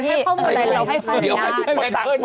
เท่านั้นเราให้ใครอยู่นาน